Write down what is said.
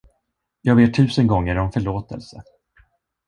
Jag ber tusen gånger om förlåtelse!